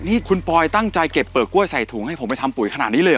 นี่คุณปอยตั้งใจเก็บเปลือกกล้วยใส่ถุงให้ผมไปทำปุ๋ยขนาดนี้เลยเหรอ